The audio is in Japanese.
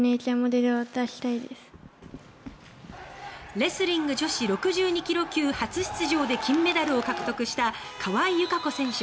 レスリング女子６２ｋｇ級初出場で金メダルを獲得した川井友香子選手。